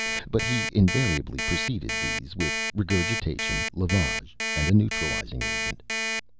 But he invariably preceded these with regurgitation, lavage, and neutralizing agent.